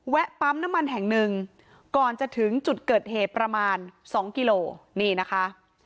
ปั๊มน้ำมันแห่งหนึ่งก่อนจะถึงจุดเกิดเหตุประมาณ๒กิโลนี่นะคะ